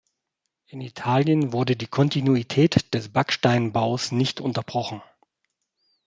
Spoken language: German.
In Italien wurde die Kontinuität des Backsteinbaus nicht unterbrochen.